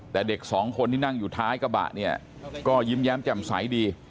แต่เด็กสองคนที่นั่งอยู่ท้ายกระบะเนี่ยก็ยิ้มแย้มแจ่มใสดี